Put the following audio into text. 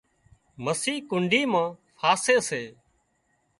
مسي ڪنڍي مان ڦاسي سي